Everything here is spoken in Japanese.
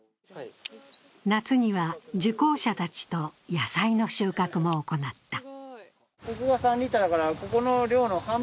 夏には、受講者たちと野菜の収穫も行った。